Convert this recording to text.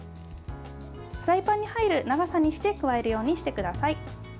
フライパンに入る長さにして加えるようにしてください。